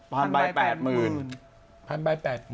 พันใบ๘๐๐๐๐พันใบ๘๐๐๐๐